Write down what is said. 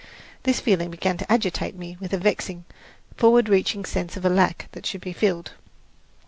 This feeling began to agitate me with a vexing, forward reaching sense of a lack that should be filled.